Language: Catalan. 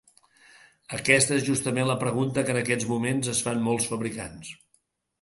Aquesta és justament la pregunta que en aquests moments es fan molts fabricants.